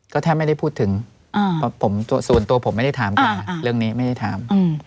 ก็แทบไม่ได้พูดถึงส่วนตัวผมไม่ได้ถามแกเรื่องนี้ไม่ได้ถาม